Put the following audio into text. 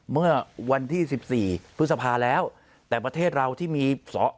เมื่อวันที่๑๔พฤษภาแล้วแต่ประเทศเราที่มีสอ